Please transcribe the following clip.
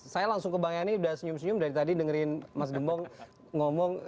saya ini sudah senyum senyum dari tadi dengerin mas gembong ngomong